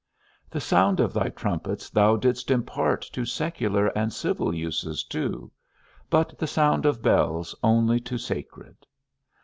The sound of thy trumpets thou didst impart to secular and civil uses too, but the sound of bells only to sacred.